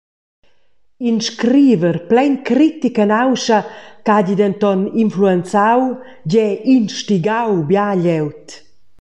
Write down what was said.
In scriver plein critica nauscha che hagi denton influenzau, gie instigau bia glieud.